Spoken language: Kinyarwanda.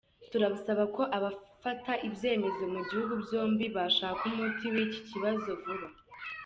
Turasaba ko abafata ibyemezo mu bihugu byombi bashaka umuti w’iki kibazo vuba.